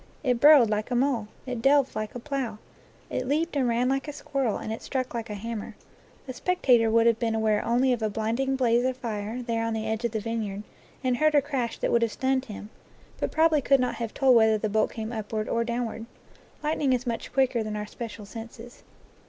It burrowed like a mole, it delved like a plough, it leaped and ran like a squirrel, and it struck like a hammer. A spectator would have been aware only of d blinding blaze of fire there on the edge of the vineyard, and heard a crash that would have stunned him; but probably could not have told whether the bolt came upward or down ward. Lightning is much quicker than our special senses.